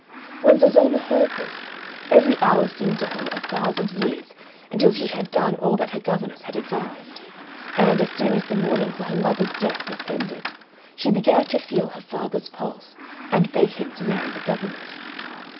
When Zezolla heard this, every hour seemed to her a thousand years until she had done all that her governess had advised; and, as soon as the mourning for her mother's death was ended, she began to feel her father's pulse, and beg him to marry the governess.